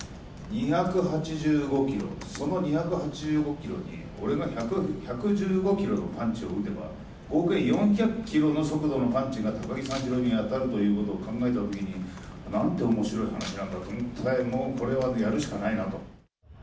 ２８５キロ、その２８５キロに、俺が１１５キロのパンチを打てば、合計４００キロの速度のパンチが、高木三四郎に当たるということを考えたときに、なんておもしろい話なんだと思って、もうこれはやるしかないなと。